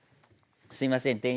すいません